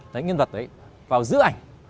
đấy nhân vật đấy vào giữa ảnh